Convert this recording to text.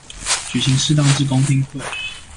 舉行適當之公聽會